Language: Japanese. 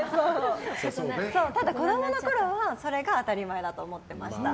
ただ子供のころはそれが当たり前だと思ってました。